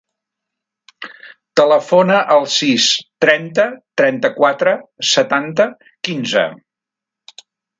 Telefona al sis, trenta, trenta-quatre, setanta, quinze.